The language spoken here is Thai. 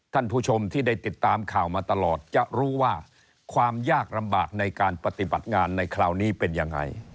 ท่านผู้ชมที่ได้ติดตามข่าวมาตลอดจะรู้ว่าความยากลำบากในการปฏิบัติงานในคราวนี้เป็นยังไง